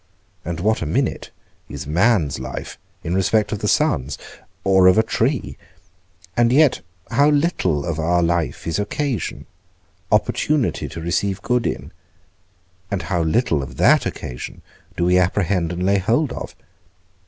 and what a minute is man's life in respect of the sun's, or of a tree? and yet how little of our life is occasion, opportunity to receive good in; and how little of that occasion do we apprehend and lay hold of?